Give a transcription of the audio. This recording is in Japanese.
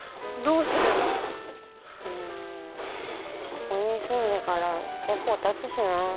ここに住んでから結構経つしなあ。